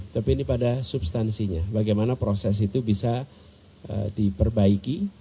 tapi ini pada substansinya bagaimana proses itu bisa diperbaiki